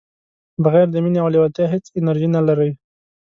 بغیر د مینې او لیوالتیا هیڅ انرژي نه لرئ.